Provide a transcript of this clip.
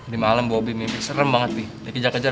di malam bobby mimpi serem banget